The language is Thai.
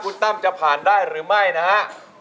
คุณตั้มจะผ่านได้หรือไม่นะฮะ